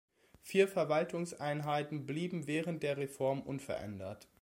Vier Verwaltungseinheiten blieben während der Reform unverändert.